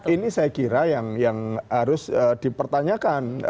ini saya kira yang harus dipertanyakan